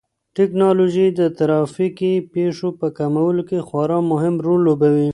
ټیکنالوژي د ترافیکي پېښو په کمولو کې خورا مهم رول لوبوي.